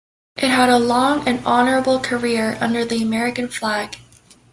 It had a long and honorable career under the American flag.